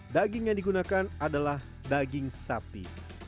daging yang digunakan adalah daging sapi